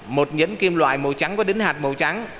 một nhẫn kim loại màu trắng có đính hạt màu trắng